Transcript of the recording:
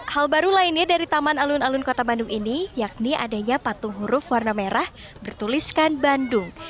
hal baru lainnya dari taman alun alun kota bandung ini yakni adanya patung huruf warna merah bertuliskan bandung